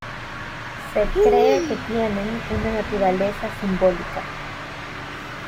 Se cree que tienen una naturaleza simbólica.